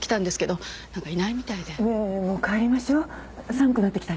寒くなってきたし。